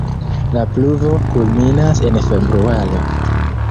La pluvo kulminas en februaro.